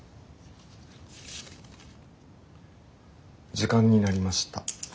時間になりました。